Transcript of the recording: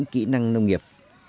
kỹ năng nông nghiệp